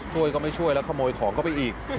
ช่วยก็ไม่ช่วยแล้วขโมยของเข้าไปอีก